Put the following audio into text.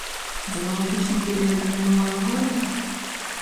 З аналагічным перыядам мінулага года?